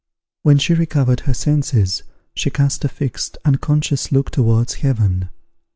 When she recovered her senses, she cast a fixed, unconscious look towards heaven.